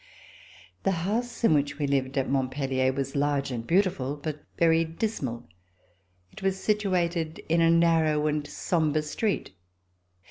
The house in which we lived at Montpellier was large and beautiful but very dismal. It was situated in a narrow and sombre street.